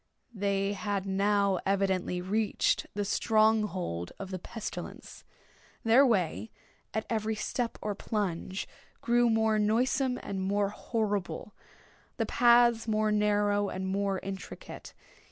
They had now evidently reached the strong hold of the pestilence. Their way at every step or plunge grew more noisome and more horrible—the paths more narrow and more intricate.